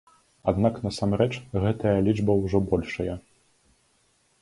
Аднак насамрэч, гэтая лічба ўжо большая.